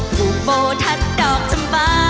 ภูโบทัดดอกชำบา